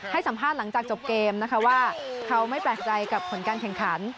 ให้สัมภาษณ์หลังจากจบเกมนะคะว่าเขาไม่แปลกใจกับผลการแข่งขัน